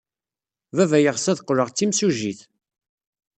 Baba yeɣs ad qqleɣ d timsujjit.